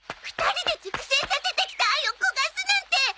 ２人で熟成させてきた愛を焦がすなんて！